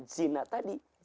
dengan zina tadi